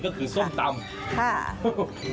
ก็คือส้มตำค่ะครับค่ะ